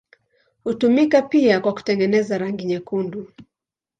Hutumika pia kwa kutengeneza rangi nyekundu.